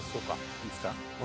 いいっすか？